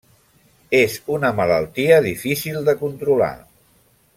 És una malaltia difícil de controlar.